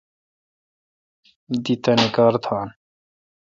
دی تانی کار تھان۔